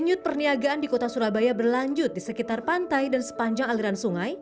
penyut perniagaan di kota surabaya berlanjut di sekitar pantai dan sepanjang aliran sungai